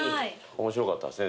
面白かったですね。